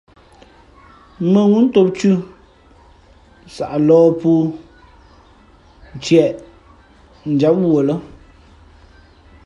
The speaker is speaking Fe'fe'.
Mᾱŋú tōm thʉ̄, nsaʼ lōh pūh, ntieʼ njǎm wuα lά.